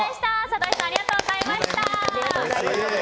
里井さんありがとうございました。